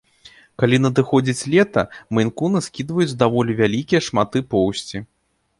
Калі надыходзіць лета, мэйн-куны скідваюць даволі вялікія шматы поўсці.